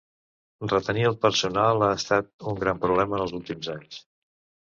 Retenir al personal ha estat un gran problema en els últims anys.